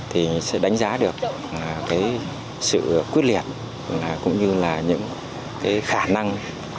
thì sẽ đánh giá được sự quyết liệt cũng như là những khả năng